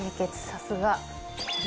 さすが。